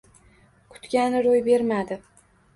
Kutgani roʻy bermadi.